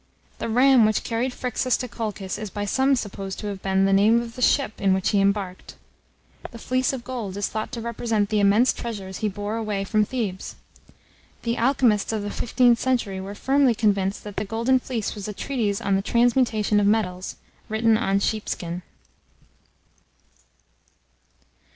The ram which carried Phryxus to Colchis is by some supposed to have been the name of the ship in which he embarked. The fleece of gold is thought to represent the immense treasures he bore away from Thebes. The alchemists of the fifteenth century were firmly convinced that the Golden Fleece was a treatise on the transmutation of metals, written on sheepskin.